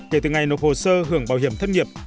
kể từ ngày nộp hồ sơ hưởng bảo hiểm thất nghiệp